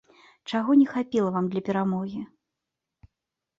Чаго не хапіла вам для перамогі?